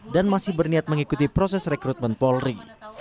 dan masih berniat mengikuti proses rekrutmen polri